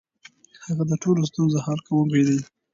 هغه د ټولو ستونزو حل کونکی دی.